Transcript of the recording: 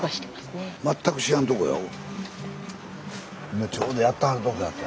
今ちょうどやってはるとこやった。